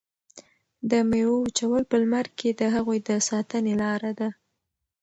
د میوو وچول په لمر کې د هغوی د ساتنې لاره ده.